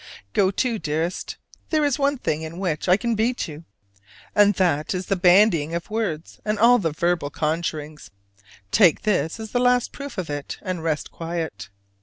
Go to, dearest! There is one thing in which I can beat you, and that is in the bandying of words and all verbal conjurings: take this as the last proof of it and rest quiet.